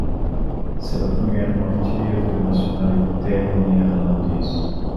C'est la première martyre de nationalité néerlandaise.